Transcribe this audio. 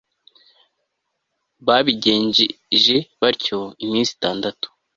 babigenjeje batyo iminsi itandatu